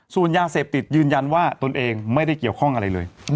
ส่วนยาเสพติดยืนยันว่าตนเองไม่ได้เกี่ยวข้องอะไรเลย